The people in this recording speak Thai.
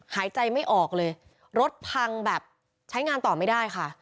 หายใจไม่ออกเลยรถพังแบบใช้งานต่อไม่ได้ค่ะ